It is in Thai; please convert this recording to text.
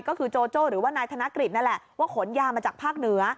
ก็คือโจโจ้หรือว่านายธนกฤษนั่นแหละว่าขนยามาจากภาคเหนือ